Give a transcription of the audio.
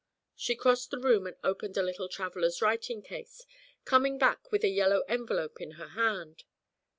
She crossed the room and opened a little traveller's writing case, coming back with a yellow envelope in her hand.